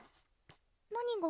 何が？